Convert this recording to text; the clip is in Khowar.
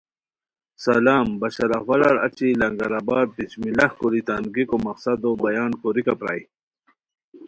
سلام بشاراحوالار اچی لنگرآباد بِسم اللہ کوری تان گیکو مقصدو بیان کوریکہ پرائے